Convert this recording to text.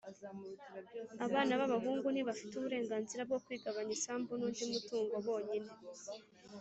abana b’abahungu ntibafite uburenganzira bwo kwigabanya isambu n’undi mutungo bonyine,